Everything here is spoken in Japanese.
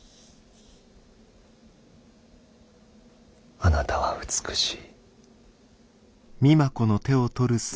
あなたは美しい。